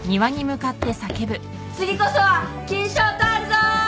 次こそは金賞取るぞー！